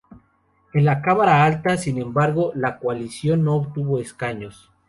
En la cámara alta, sin embargo, la coalición no obtuvo escaños.